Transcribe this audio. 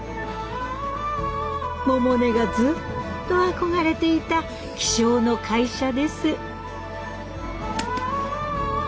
百音がずっと憧れていた気象の会社です。